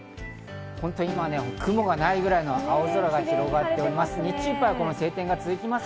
今は雲がないくらいの青空が広がっております。